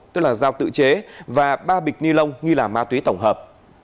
tức là dao tự chế và ba bịch ni lông nghi là ma túy tổng hợp